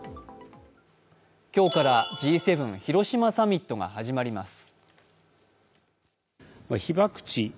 今日からＧ７広島サミットが始まります。